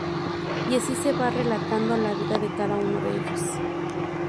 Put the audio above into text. Y así se va relatando la vida de cada uno de ellos.